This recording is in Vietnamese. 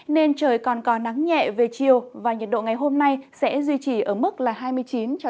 nên trời còn còn nắng nhẹ về chiều và nhiệt độ ngày hôm nay sẽ duy trì ở mức hai mươi chín ba mươi một độ